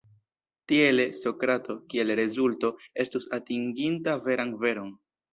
Tiele, Sokrato, kiel rezulto, estus atinginta veran veron.